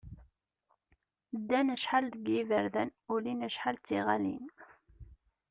Ddan acḥal deg yiberdan, ulin acḥal d tiɣalin.